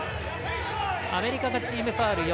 アメリカがチームファウル４